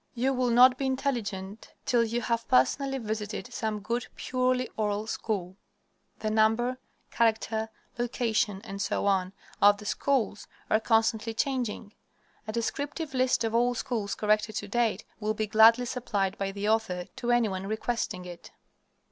You will not be intelligent till you have personally visited some good purely oral school. The number, character, location, etc., of the schools are constantly changing. A descriptive list of all schools corrected to date will be gladly supplied by the author to any one requesting it.